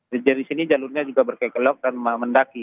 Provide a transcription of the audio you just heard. jadi di sini jalurnya juga berkelok dan mendaki